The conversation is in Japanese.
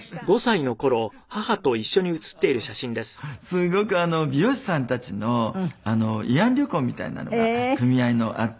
すごく美容師さんたちの慰安旅行みたいなのが組合のあって。